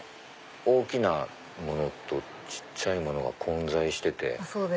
大きなものと小っちゃいものが混在してて。